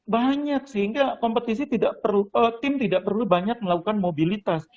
banyak sehingga kompetisi tim tidak perlu banyak melakukan mobilitas